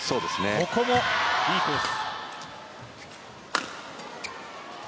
ここもいいコース。